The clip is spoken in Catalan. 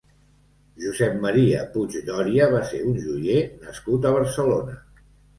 Josep Maria Puig Doria va ser un joier nascut a Barcelona.